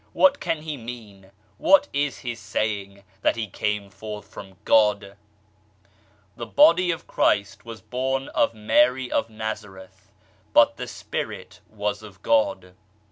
What can He mean ? What is He saying ? That He came forth from God ?" The Body of Christ was born of Mary of Nazareth, but the Spirit was of God.